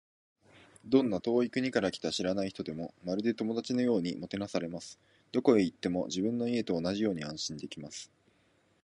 どんな遠い国から来た知らない人でも、まるで友達のようにもてなされます。どこへ行っても、自分の家と同じように安心できます。